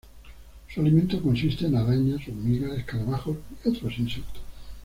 Su alimento consiste en arañas, hormigas, escarabajos y otros insectos.